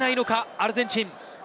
アルゼンチン。